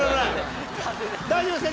大丈夫ですか？